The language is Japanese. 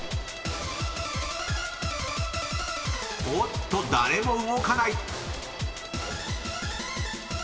［おっと⁉誰も動かない］